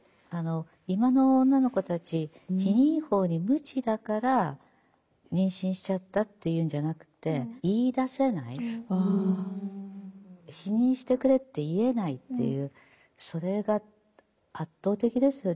今の女の子たち避妊法に無知だから妊娠しちゃったっていうんじゃなくて言いだせない避妊してくれって言えないっていうそれが圧倒的ですよね。